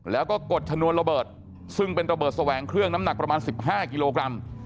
แล้วก็กดชนวนระเบิดซึ่งเป็นระเบิดแสวงเครื่องน้ำหนักประมาณ๑๕กิโลกรัม